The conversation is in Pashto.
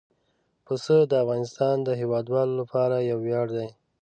پسه د افغانستان د هیوادوالو لپاره یو ویاړ دی.